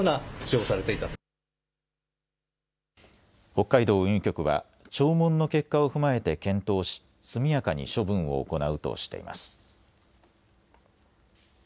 北海道運輸局は聴聞の結果を踏まえて検討し速やかに処分を行うとしています。